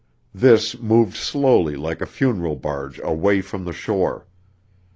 This moved slowly like a funeral barge away from the shore.